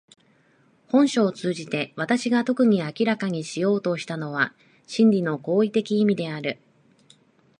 本書を通じて私が特に明らかにしようとしたのは真理の行為的意味である。